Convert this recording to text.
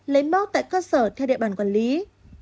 lấy máu tại cơ sở theo địa bàn quản lý